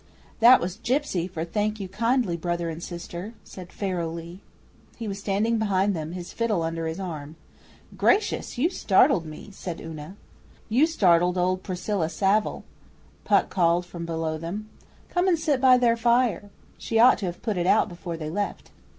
'That was gipsy for "Thank you kindly, Brother and Sister,"' said Pharaoh Lee. He was standing behind them, his fiddle under his arm. 'Gracious, you startled me!' said Una. 'You startled old Priscilla Savile,' Puck called from below them. 'Come and sit by their fire. She ought to have put it out before they left.